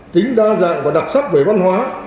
tính đa dạng và đặc sắc về văn hóa